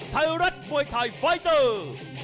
ไทยรัฐมวยไทยไฟเตอร์